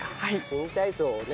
新体操ね。